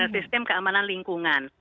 sistem keamanan lingkungan